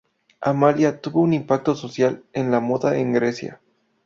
Amalia tuvo un impacto social en la moda en Grecia.